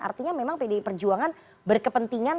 artinya memang pdi perjuangan berkepentingan